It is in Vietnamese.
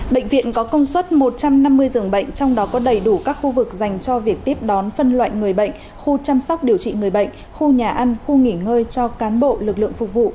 bệnh viện có công suất một trăm năm mươi giường bệnh trong đó có đầy đủ các khu vực dành cho việc tiếp đón phân loại người bệnh khu chăm sóc điều trị người bệnh khu nhà ăn khu nghỉ ngơi cho cán bộ lực lượng phục vụ